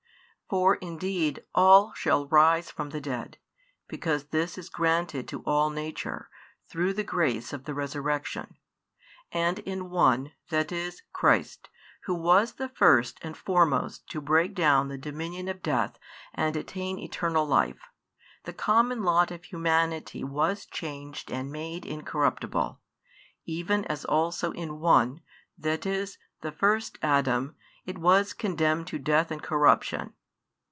For indeed all shall rise from the dead, because this is granted to all nature, through the grace of the Resurrection; and in One, that is, Christ, Who was the first and foremost to break down the dominion of death and attain eternal life, the common lot of humanity was changed and made incorruptible, even as also in one, that is, the first Adam, it was condemned to death and corruption.